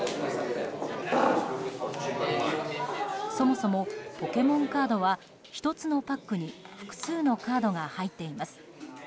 そもそもポケモンカードは１つのパックに複数のカードが入っています。